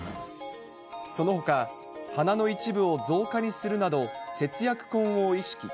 そのほか、花の一部を造花にするなど、節約婚を意識。